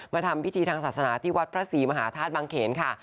ทำพิธีทางศาสนาที่วัดพระศรีมหาธาตุบังเขนค่ะ